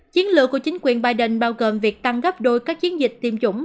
chiến lược của chính quyền biden bao gồm việc tăng gấp đôi các chiến dịch tiêm chủng